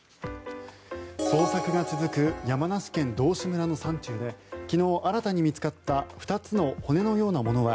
捜索が続く山梨県道志村の山中で昨日、新たに見つかった２つの骨のようなものは